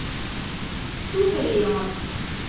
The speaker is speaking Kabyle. Tsufri.